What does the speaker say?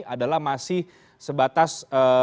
adalah masih sebatas